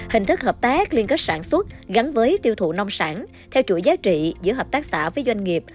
hình thức hợp tác liên kết sản xuất gắn với tiêu thụ nông sản theo chuỗi giá trị giữa hợp tác xã với doanh nghiệp